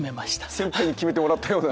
先輩に決めてもらったような。